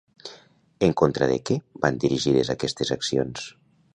En contra de què van dirigides aquestes accions?